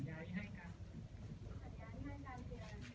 สัญญาง่ายกันคืออะไรครับ